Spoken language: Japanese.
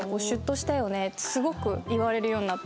すごく言われるようになって。